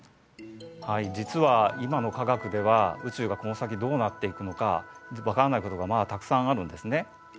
はい実は今の科学では宇宙がこの先どうなっていくのか分からないことがまだたくさんあるんですね。